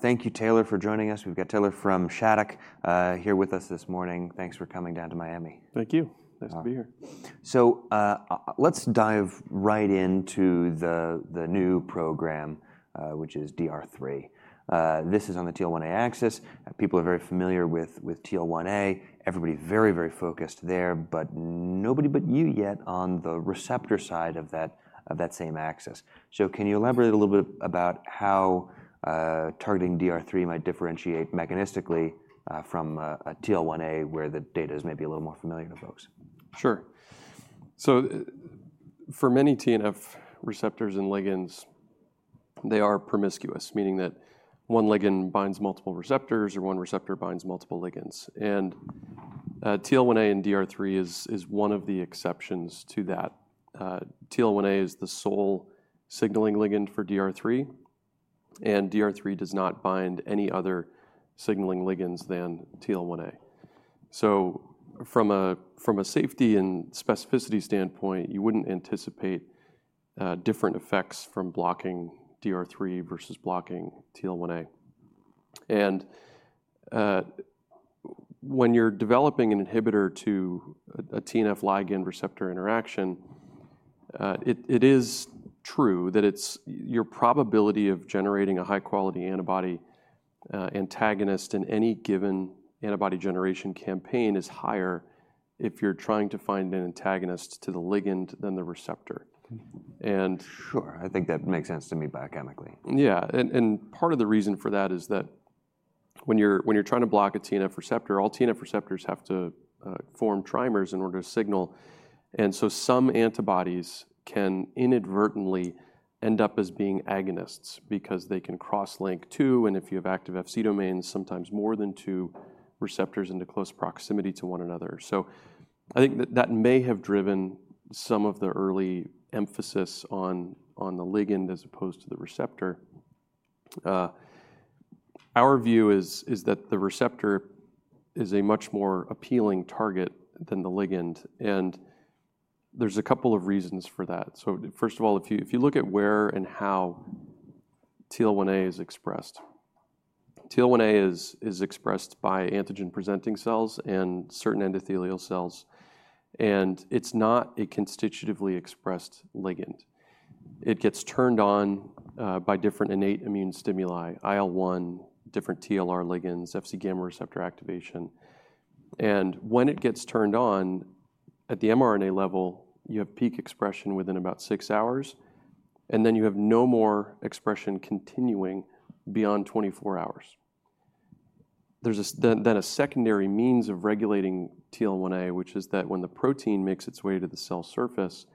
Thank you, Taylor, for joining us. We've got Taylor from Shattuck here with us this morning. Thanks for coming down to Miami. Thank you. Nice to be here. So let's dive right into the new program, which is DR3. This is on the TL1A axis. People are very familiar with TL1A. Everybody's very, very focused there, but nobody but you yet on the receptor side of that same axis. So can you elaborate a little bit about how targeting DR3 might differentiate mechanistically from TL1A, where the data is maybe a little more familiar to folks? Sure. So for many TNF receptors and ligands, they are promiscuous, meaning that one ligand binds multiple receptors or one receptor binds multiple ligands. And TL1A and DR3 is one of the exceptions to that. TL1A is the sole signaling ligand for DR3, and DR3 does not bind any other signaling ligands than TL1A. So from a safety and specificity standpoint, you wouldn't anticipate different effects from blocking DR3 versus blocking TL1A. And when you're developing an inhibitor to a TNF ligand-receptor interaction, it is true that your probability of generating a high-quality antibody antagonist in any given antibody generation campaign is higher if you're trying to find an antagonist to the ligand than the receptor. Sure. I think that makes sense to me biochemically. Yeah. And part of the reason for that is that when you're trying to block a TNF receptor, all TNF receptors have to form trimers in order to signal. And so some antibodies can inadvertently end up as being agonists because they can cross-link two, and if you have active Fc domains, sometimes more than two receptors into close proximity to one another. So I think that may have driven some of the early emphasis on the ligand as opposed to the receptor. Our view is that the receptor is a much more appealing target than the ligand. And there's a couple of reasons for that. So first of all, if you look at where and how TL1A is expressed, TL1A is expressed by antigen-presenting cells and certain endothelial cells. And it's not a constitutively expressed ligand. It gets turned on by different innate immune stimuli: IL-1, different TLR ligands, Fc gamma receptor activation, and when it gets turned on at the mRNA level, you have peak expression within about six hours, and then you have no more expression continuing beyond 24 hours. There's then a secondary means of regulating TL1A, which is that when the protein makes its way to the cell surface,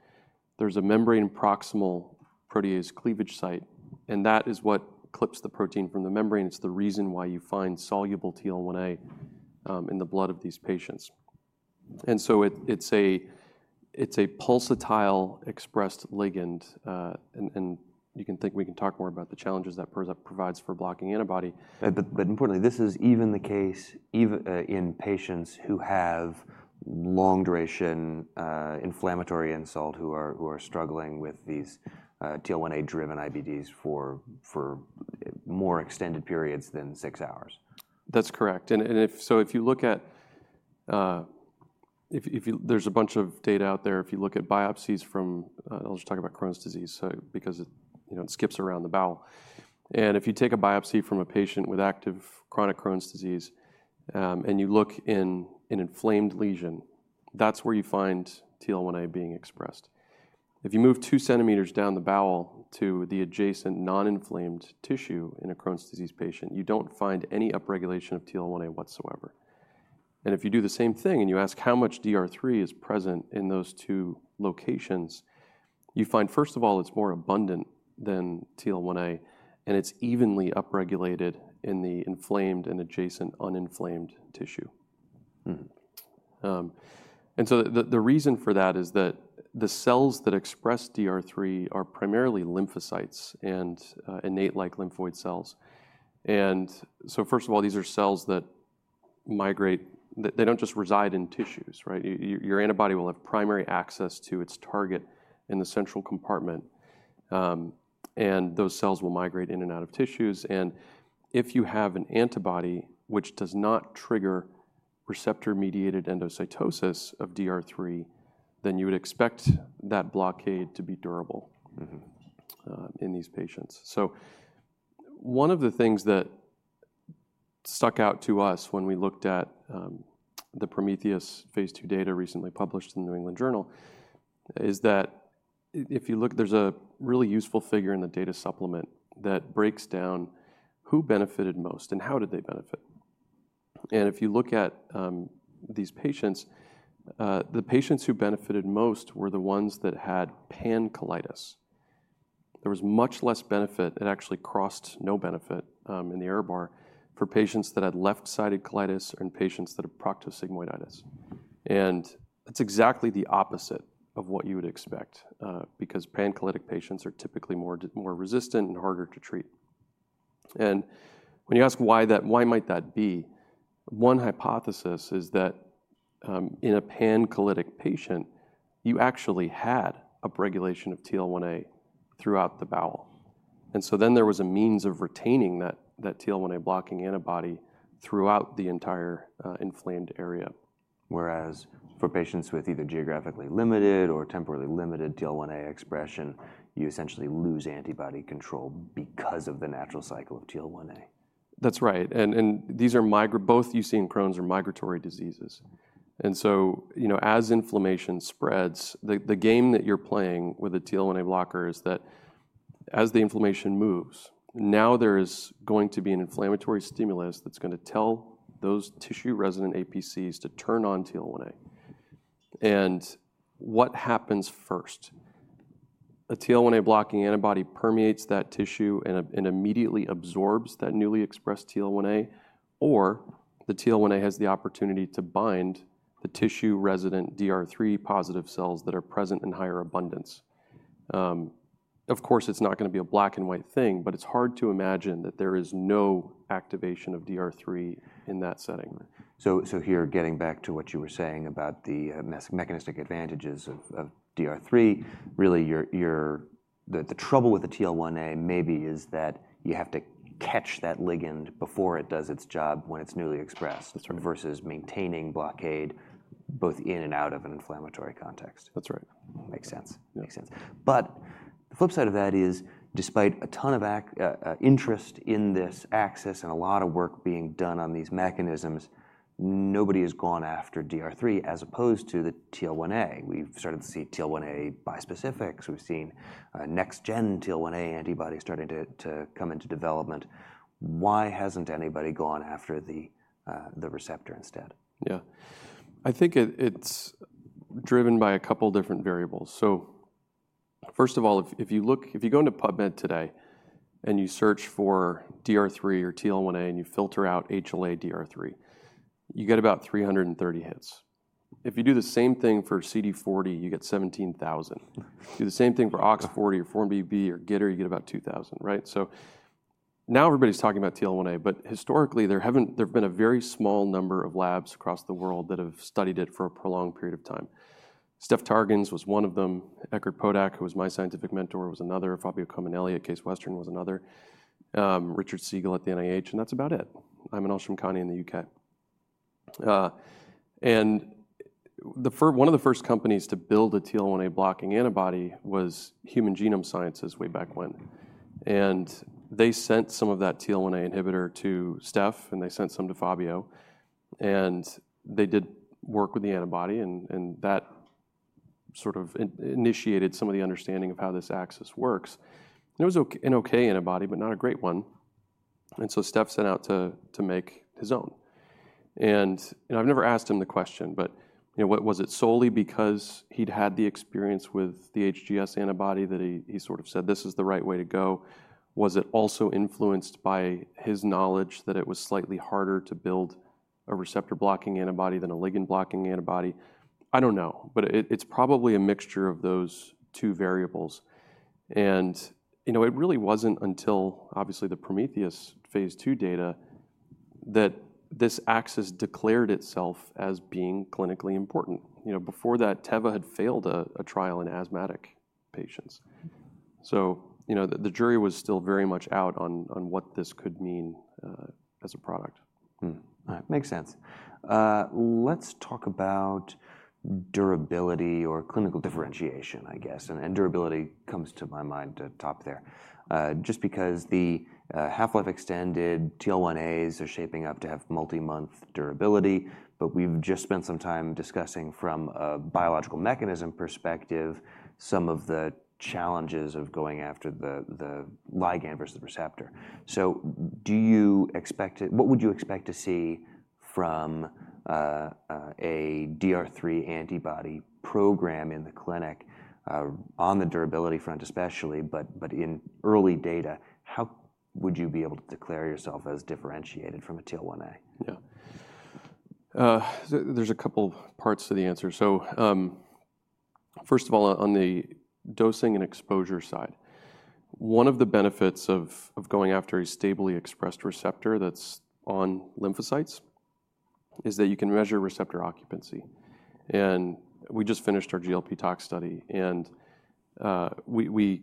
there's a membrane proximal protease cleavage site, and that is what clips the protein from the membrane. It's the reason why you find soluble TL1A in the blood of these patients, and so it's a pulsatile expressed ligand, and you can think we can talk more about the challenges that provides for blocking antibody. But importantly, this is even the case in patients who have long-duration inflammatory insult, who are struggling with these TL1A-driven IBDs for more extended periods than six hours. That's correct, and so if you look at, there's a bunch of data out there. If you look at biopsies from, I'll just talk about Crohn's disease because it skips around the bowel, and if you take a biopsy from a patient with active chronic Crohn's disease and you look in an inflamed lesion, that's where you find TL1A being expressed. If you move two centimeters down the bowel to the adjacent non-inflamed tissue in a Crohn's disease patient, you don't find any upregulation of TL1A whatsoever, and if you do the same thing and you ask how much DR3 is present in those two locations, you find, first of all, it's more abundant than TL1A, and it's evenly upregulated in the inflamed and adjacent uninflamed tissue, and so the reason for that is that the cells that express DR3 are primarily lymphocytes and innate-like lymphoid cells. And so first of all, these are cells that migrate. They don't just reside in tissues, right? Your antibody will have primary access to its target in the central compartment, and those cells will migrate in and out of tissues. And if you have an antibody which does not trigger receptor-mediated endocytosis of DR3, then you would expect that blockade to be durable in these patients. So one of the things that stuck out to us when we looked at the Prometheus phase II data recently published in the New England Journal is that if you look, there's a really useful figure in the data supplement that breaks down who benefited most and how did they benefit. And if you look at these patients, the patients who benefited most were the ones that had pancolitis. There was much less benefit. It actually crossed no benefit in the error bar for patients that had left-sided colitis and patients that had proctosigmoiditis. That's exactly the opposite of what you would expect because pancolitic patients are typically more resistant and harder to treat. When you ask why might that be, one hypothesis is that in a pancolitic patient, you actually had upregulation of TL1A throughout the bowel. So then there was a means of retaining that TL1A blocking antibody throughout the entire inflamed area. Whereas for patients with either geographically limited or temporarily limited TL1A expression, you essentially lose antibody control because of the natural cycle of TL1A. That's right. And these are migratory. Both you see in Crohn's are migratory diseases. And so as inflammation spreads, the game that you're playing with a TL1A blocker is that as the inflammation moves, now there is going to be an inflammatory stimulus that's going to tell those tissue-resident APCs to turn on TL1A. And what happens first? A TL1A blocking antibody permeates that tissue and immediately absorbs that newly expressed TL1A, or the TL1A has the opportunity to bind the tissue-resident DR3 positive cells that are present in higher abundance. Of course, it's not going to be a black-and-white thing, but it's hard to imagine that there is no activation of DR3 in that setting. So here, getting back to what you were saying about the mechanistic advantages of DR3, really the trouble with the TL1A maybe is that you have to catch that ligand before it does its job when it's newly expressed versus maintaining blockade both in and out of an inflammatory context. That's right. Makes sense. Makes sense. But the flip side of that is, despite a ton of interest in this axis and a lot of work being done on these mechanisms, nobody has gone after DR3 as opposed to the TL1A. We've started to see TL1A bispecifics. We've seen next-gen TL1A antibodies starting to come into development. Why hasn't anybody gone after the receptor instead? Yeah. I think it's driven by a couple of different variables. So first of all, if you go into PubMed today and you search for DR3 or TL1A and you filter out HLA-DR3, you get about 330 hits. If you do the same thing for CD40, you get 17,000. Do the same thing for OX40 or 4-1BB or GITR, you get about 2,000, right? So now everybody's talking about TL1A, but historically, there have been a very small number of labs across the world that have studied it for a prolonged period of time. Steph Targan was one of them. Eckhard Podack, who was my scientific mentor, was another. Fabio Cominelli at Case Western was another. Richard Siegel at the NIH. And that's about it. I'm in Amersham County in the U.K. One of the first companies to build a TL1A blocking antibody was Human Genome Sciences way back when. They sent some of that TL1A inhibitor to Steph, and they sent some to Fabio. They did work with the antibody, and that sort of initiated some of the understanding of how this axis works. It was an okay antibody, but not a great one. So Steph set out to make his own. I've never asked him the question, but was it solely because he'd had the experience with the HGS antibody that he sort of said, "This is the right way to go"? Was it also influenced by his knowledge that it was slightly harder to build a receptor-blocking antibody than a ligand-blocking antibody? I don't know, but it's probably a mixture of those two variables. It really wasn't until, obviously, the Prometheus phase II data that this axis declared itself as being clinically important. Before that, Teva had failed a trial in asthmatic patients. The jury was still very much out on what this could mean as a product. Makes sense. Let's talk about durability or clinical differentiation, I guess. Durability comes to my mind at the top there. Just because the half-life extended TL1As are shaping up to have multi-month durability, but we've just spent some time discussing from a biological mechanism perspective some of the challenges of going after the ligand versus the receptor. What would you expect to see from a DR3 antibody program in the clinic on the durability front, especially, but in early data? How would you be able to declare yourself as differentiated from a TL1A? Yeah. There's a couple of parts to the answer. So first of all, on the dosing and exposure side, one of the benefits of going after a stably expressed receptor that's on lymphocytes is that you can measure receptor occupancy. And we just finished our GLP tox study, and we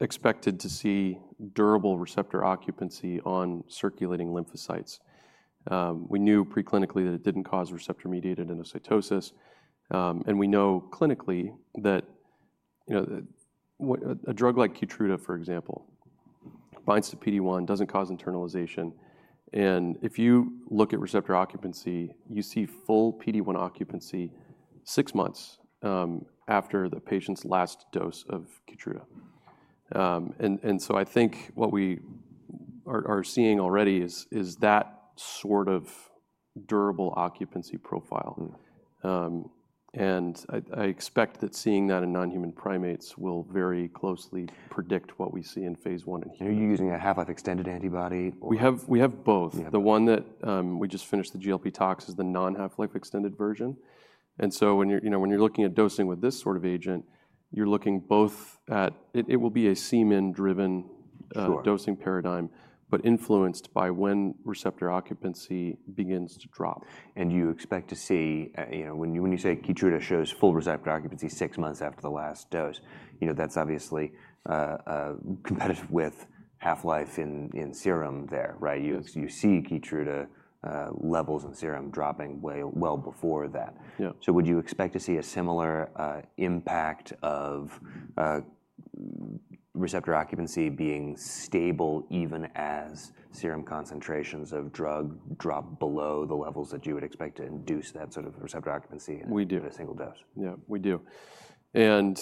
expected to see durable receptor occupancy on circulating lymphocytes. We knew preclinically that it didn't cause receptor-mediated endocytosis, and we know clinically that a drug like Keytruda, for example, binds to PD-1, doesn't cause internalization. And if you look at receptor occupancy, you see full PD-1 occupancy six months after the patient's last dose of Keytruda. And so I think what we are seeing already is that sort of durable occupancy profile. And I expect that seeing that in non-human primates will very closely predict what we see in phase I in humans. Are you using a half-life extended antibody? We have both. The one that we just finished the GLP tox is the non-half-life extended version. And so when you're looking at dosing with this sort of agent, you're looking both at it will be a Cmin-driven dosing paradigm, but influenced by when receptor occupancy begins to drop. And you expect to see when you say Keytruda shows full receptor occupancy six months after the last dose, that's obviously competitive with half-life in serum there, right? You see Keytruda levels in serum dropping well before that. So would you expect to see a similar impact of receptor occupancy being stable even as serum concentrations of drug drop below the levels that you would expect to induce that sort of receptor occupancy with a single dose? We do. Yeah, we do. And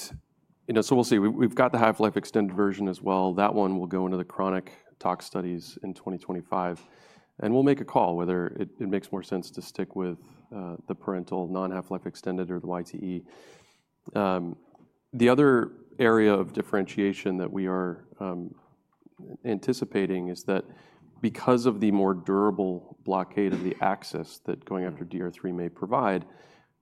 so we'll see. We've got the half-life extended version as well. That one will go into the chronic tox studies in 2025, and we'll make a call whether it makes more sense to stick with the parental non-half-life extended or the YTE. The other area of differentiation that we are anticipating is that because of the more durable blockade of the axis that going after DR3 may provide,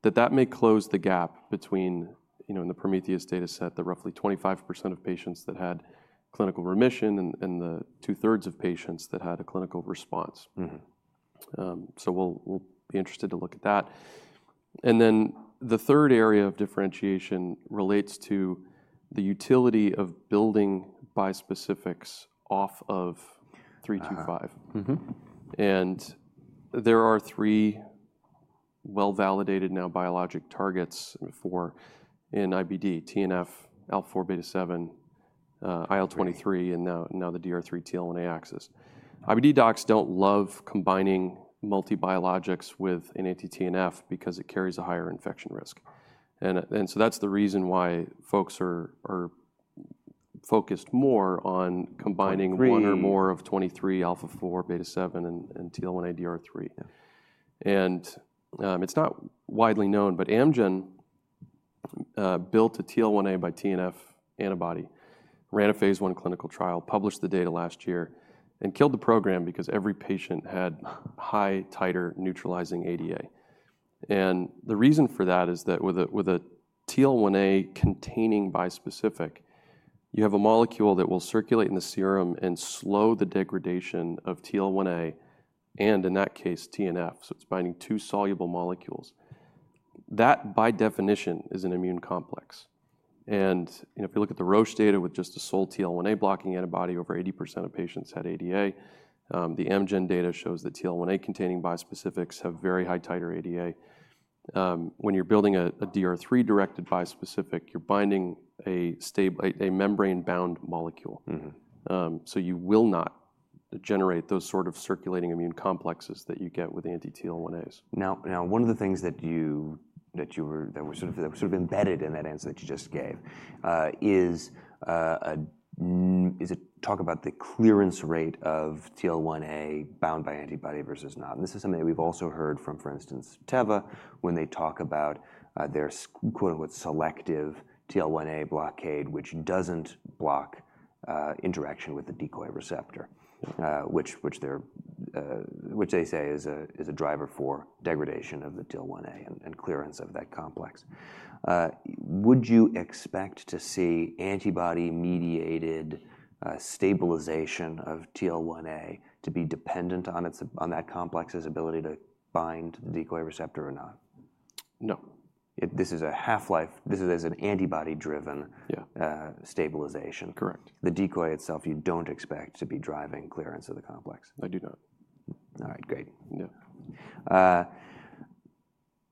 that that may close the gap between in the Prometheus data set, the roughly 25% of patients that had clinical remission and the two-thirds of patients that had a clinical response. So we'll be interested to look at that. And then the third area of differentiation relates to the utility of building bispecifics off of 325. There are three well-validated biologic targets now for IBD: TNF, alpha-4 beta-7, IL-23, and now the DR3 TL1A axis. IBD docs don't love combining multibiologics with an anti-TNF because it carries a higher infection risk. And so that's the reason why folks are focused more on combining one or more of IL-23, alpha-4 beta-7, and TL1A/DR3. And it's not widely known, but Amgen built a TL1A bispecific TNF antibody, ran a phase I clinical trial, published the data last year, and killed the program because every patient had high-titer neutralizing ADA. And the reason for that is that with a TL1A containing bispecific, you have a molecule that will circulate in the serum and slow the degradation of TL1A and, in that case, TNF. So it's binding two soluble molecules. That, by definition, is an immune complex. If you look at the Roche data with just a sole TL1A blocking antibody, over 80% of patients had ADA. The Amgen data shows that TL1A containing bispecifics have very high, tighter ADA. When you're building a DR3-directed bispecific, you're binding a membrane-bound molecule. You will not generate those sort of circulating immune complexes that you get with anti-TL1As. Now, one of the things that you were sort of embedded in that answer that you just gave is a talk about the clearance rate of TL1A bound by antibody versus not. And this is something that we've also heard from, for instance, Teva when they talk about their "selective" TL1A blockade, which doesn't block interaction with the decoy receptor, which they say is a driver for degradation of the TL1A and clearance of that complex. Would you expect to see antibody-mediated stabilization of TL1A to be dependent on that complex's ability to bind the decoy receptor or not? No. This is a half-life. This is an antibody-driven stabilization. Correct. The decoy itself, you don't expect to be driving clearance of the complex? I do not. All right. Great. Yeah.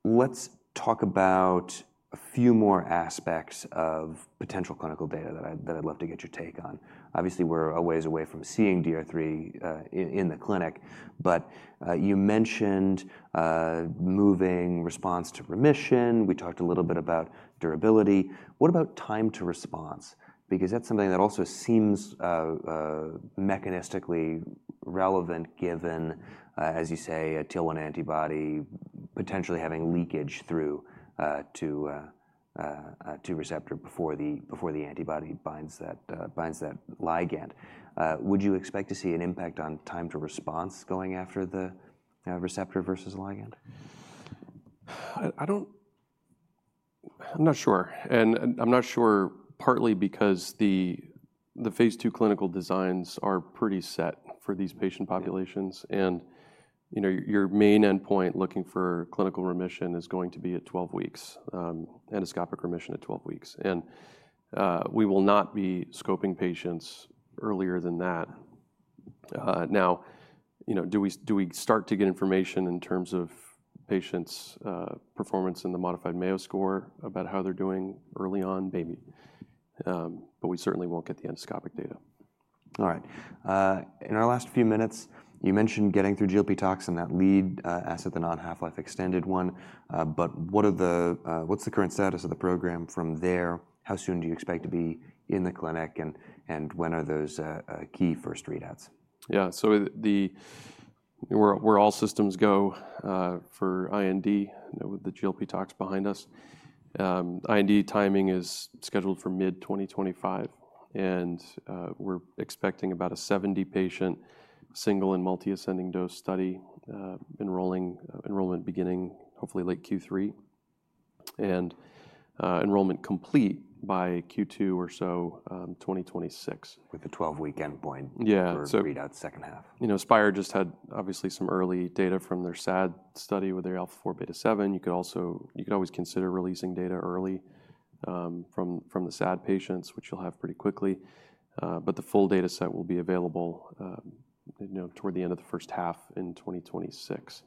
Let's talk about a few more aspects of potential clinical data that I'd love to get your take on. Obviously, we're a ways away from seeing DR3 in the clinic, but you mentioned moving response to remission. We talked a little bit about durability. What about time to response? Because that's something that also seems mechanistically relevant given, as you say, a TL1A antibody potentially having leakage through to receptor before the antibody binds that ligand. Would you expect to see an impact on time to response going after the receptor versus ligand? I'm not sure, and I'm not sure partly because the phase II clinical designs are pretty set for these patient populations. And your main endpoint looking for clinical remission is going to be at 12 weeks, endoscopic remission at 12 weeks, and we will not be scoping patients earlier than that. Now, do we start to get information in terms of patients' performance in the modified Mayo score about how they're doing early on? Maybe, but we certainly won't get the endoscopic data. All right. In our last few minutes, you mentioned getting through GLP talks and that lead asset, the non-half-life extended one. But what's the current status of the program from there? How soon do you expect to be in the clinic, and when are those key first readouts? Yeah. So we're all systems go for IND with the GLP tox behind us. IND timing is scheduled for mid-2025, and we're expecting about a 70-patient single- and multiple-ascending dose study enrollment beginning hopefully late Q3 and enrollment complete by Q2 or so 2026. With a 12-week endpoint for readout second half. Yeah. Spyre just had obviously some early data from their SAD study with their alpha-4 beta-7. You could always consider releasing data early from the SAD patients, which you'll have pretty quickly. But the full data set will be available toward the end of the first half in 2026.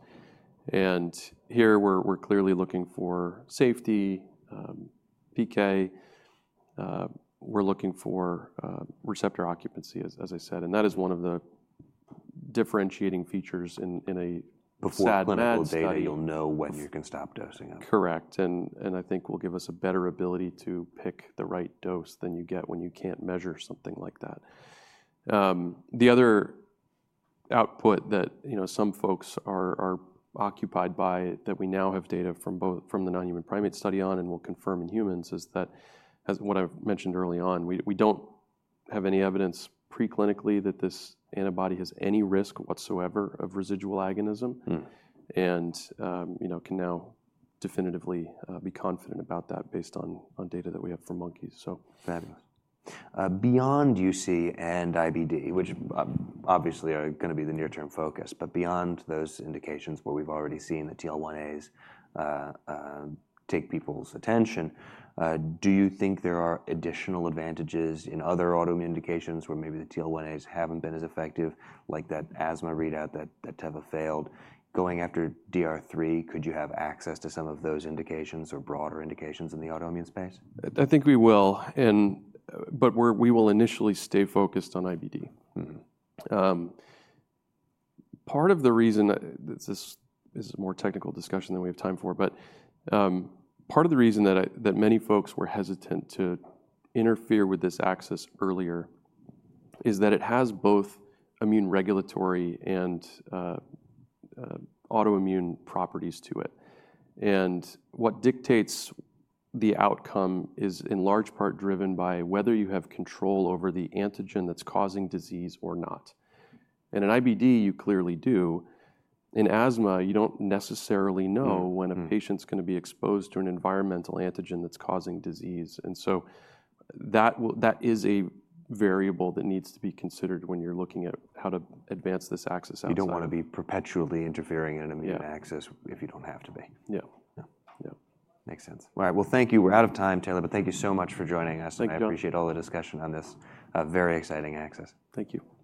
And here, we're clearly looking for safety, PK. We're looking for receptor occupancy, as I said. And that is one of the differentiating features in a Shattuck Labs. Before clinical data, you'll know when you can stop dosing it. Correct. And I think will give us a better ability to pick the right dose than you get when you can't measure something like that. The other output that some folks are occupied by, that we now have data from the non-human primate study on and will confirm in humans, is that, as what I've mentioned early on, we don't have any evidence preclinically that this antibody has any risk whatsoever of residual agonism, and can now definitively be confident about that based on data that we have from monkeys. Fabulous. Beyond UC and IBD, which obviously are going to be the near-term focus, but beyond those indications where we've already seen the TL1As take people's attention, do you think there are additional advantages in other autoimmune indications where maybe the TL1As haven't been as effective, like that asthma readout that Teva failed? Going after DR3, could you have access to some of those indications or broader indications in the autoimmune space? I think we will, but we will initially stay focused on IBD. Part of the reason this is a more technical discussion than we have time for, but part of the reason that many folks were hesitant to interfere with this axis earlier is that it has both immune regulatory and autoimmune properties to it, and what dictates the outcome is in large part driven by whether you have control over the antigen that's causing disease or not, and in IBD, you clearly do. In asthma, you don't necessarily know when a patient's going to be exposed to an environmental antigen that's causing disease, and so that is a variable that needs to be considered when you're looking at how to advance this axis outside. You don't want to be perpetually interfering in an immune axis if you don't have to be. Yeah. Yeah. Makes sense. All right. Well, thank you. We're out of time, Taylor, but thank you so much for joining us. Thank you. I appreciate all the discussion on this very exciting axis. Thank you.